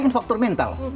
ini faktor mental